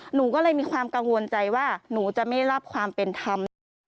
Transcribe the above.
หนูก็เลยมีความกังวลใจว่าหนูจะไม่รับความเป็นธรรมนะ